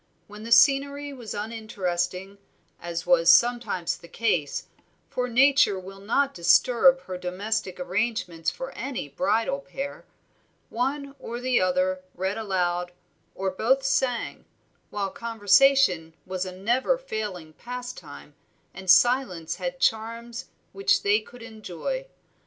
When the scenery was uninteresting, as was sometimes the case, for Nature will not disturb her domestic arrangements for any bridal pair, one or the other read aloud, or both sang, while conversation was a never failing pastime and silence had charms which they could enjoy.